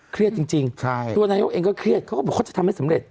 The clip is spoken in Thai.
เครียดจริงตัวนายกเองก็เครียดเขาก็บอกเขาจะทำให้สำเร็จ